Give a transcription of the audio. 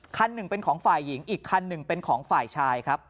คันหนึ่งเป็นของฝ่ายหญิงอีกคันหนึ่งเป็นของฝ่ายชายครับ